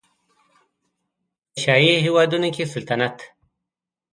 په شاهي هېوادونو کې سلطنت